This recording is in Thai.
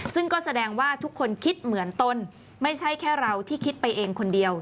ซึ่งก็แสดงว่าทุกคนคิดเหมือนตนไม่ใช่แค่เราที่คิดไปเองคนเดียว